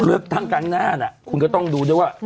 เลิกทางการหน้าน่ะคุณก็ต้องดูด้วยว่า